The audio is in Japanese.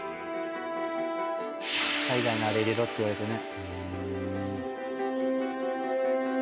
海外のあれ入れろっていわれてね。